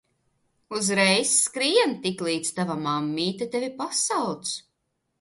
Uzreiz skrien, tiklīdz tava mammīte tevi pasauc!